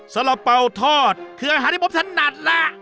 ละเป๋าทอดคืออาหารที่ผมถนัดล่ะ